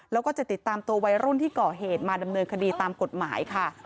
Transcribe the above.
แล้วก็จะติดตามตัววัยรุ่นที่ก่อเหตุมาดำเนินคดีตามกฎหมายค่ะ